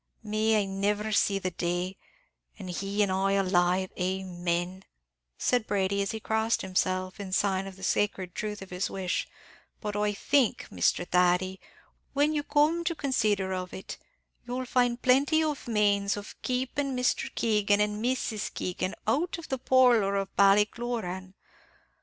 "May I nivir see that day, an' he an' I alive, amen," said Brady, as he crossed himself in sign of the sacred truth of his wish; "but I think, Masthur Thady, when you come to consider of it, you'll find plenty of manes of keepin' Mr. Keegan and Mrs. Keegan out of the parlour of Ballycloran.